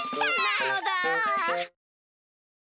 なのだ。